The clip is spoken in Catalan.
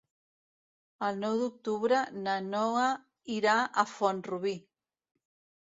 El nou d'octubre na Noa irà a Font-rubí.